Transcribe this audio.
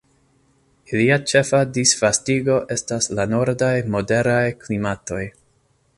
Ilia ĉefa disvastigo estas la nordaj moderaj klimatoj.